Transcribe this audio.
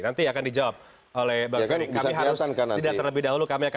nanti akan dijawab oleh bang ferry